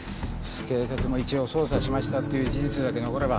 警察も一応捜査しましたっていう事実だけ残れば。